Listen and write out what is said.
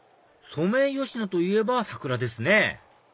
ソメイヨシノといえば桜ですね